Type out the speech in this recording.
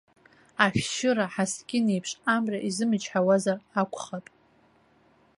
Ашәшьыра ҳаскьын еиԥш, амра изымчҳауазар акәхап.